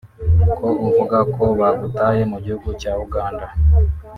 Ko uvuga ko bagutaye mu gihugu cya Uganda